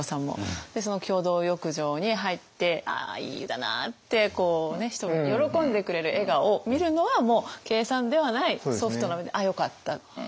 その共同浴場に入って「ああいい湯だな」ってこう人が喜んでくれる笑顔を見るのはもう計算ではないソフトな面であよかったって。